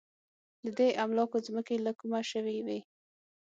د دې املاکو ځمکې له کومه شوې وې.